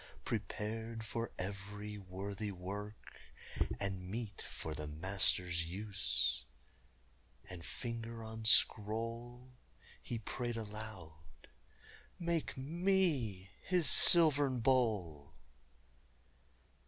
Prepared for every worthy work, and meet For the Master's use!" And finger on scroll, He prayed aloud: "Make me his silvern bowl!"